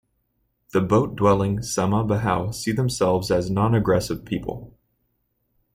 The boat-dwelling Sama-Bajau see themselves as non-aggressive people.